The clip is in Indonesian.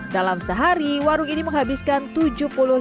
dalam sehari warung ini menghabiskan tujuh puluh lima kg berat